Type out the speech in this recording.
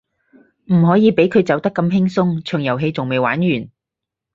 唔可以畀佢走得咁輕鬆，場遊戲仲未玩完